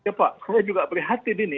ya pak saya juga prihatin ini